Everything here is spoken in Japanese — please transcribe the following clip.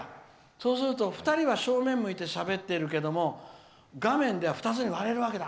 そうすると２人は正面を向いてしゃべってるけども画面では２つに割れるわけだ。